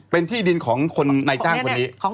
เป็นที่ดินของคนในจ้างคนนี้